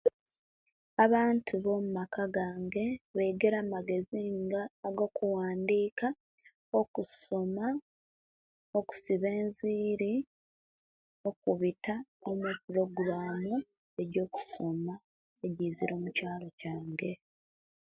Abantu bamumaka gange begere amagezi nga agokuwandi okusoma okusiba enziri okubita omuporoguram ejokusoma ejizire mukyalo kyange